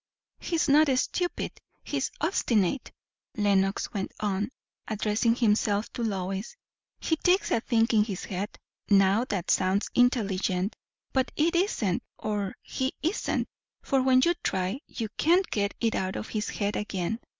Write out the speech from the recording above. "He's not stupid he's obstinate," Lenox went on, addressing himself to Lois. "He takes a thing in his head. Now that sounds intelligent; but it isn't, or he isn't; for when you try, you can't get it out of his head again.